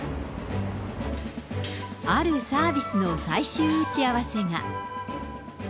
あるサービスの最終打ち合わせが。